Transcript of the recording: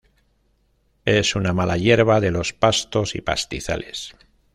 Es una mala hierba de los pastos y pastizales.